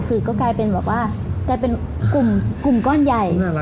คือก็กลายเป็นแบบว่ากลายเป็นกลุ่มก้อนใหญ่